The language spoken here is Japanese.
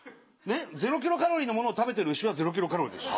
ゼロキロカロリーのものを食べてる牛はゼロキロカロリーでしょ。